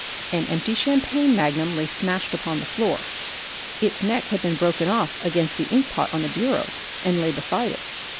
An empty champagne magnum lay smashed upon the floor; its neck had been broken off against the inkpot on the bureau and lay beside it.